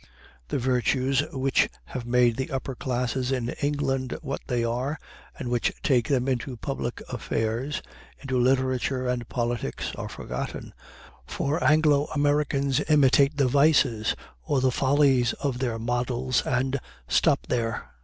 The virtues which have made the upper classes in England what they are, and which take them into public affairs, into literature and politics, are forgotten, for Anglo Americans imitate the vices or the follies of their models, and stop there.